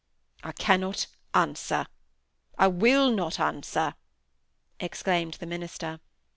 "I cannot answer—I will not answer." exclaimed the minister.